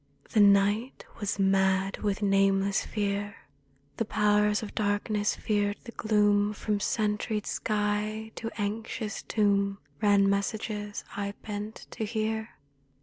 The night was mad with nameless fear. The Powers of Darkness feared the gloom. From sentried sky to anxious tomb Ran messages I bent to hear.